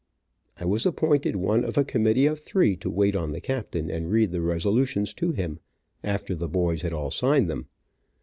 I was appointed one of a committee of three to wait on the captain, and read the resolutions to him, after the boys had all signed them.